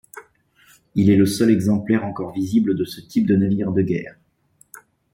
Il est le seul exemplaire encore visible de ce type de navire de guerre.